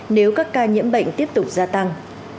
nếu các ca nhiễm bệnh tiếp tục gia tăng